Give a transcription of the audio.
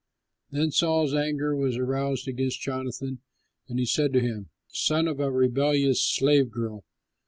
Then Saul's anger was aroused against Jonathan, and he said to him, "Son of a rebellious slave girl!